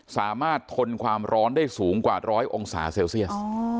ทนความร้อนได้สูงกว่าร้อยองศาเซลเซียส